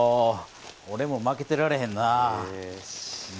おれも負けてられへんな。